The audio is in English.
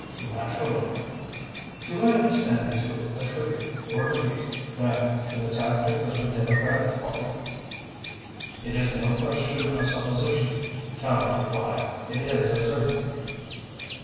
"Naturally." "Do I understand you to attribute your defeat, then, to the tactics of the Democratic Party?" "It is no question of supposition," Tallente replied. "It is a certainty."